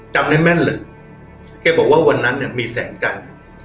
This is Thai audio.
จำได้แม่นเลยแกบอกว่าวันนั้นเนี่ยมีแสงจันทร์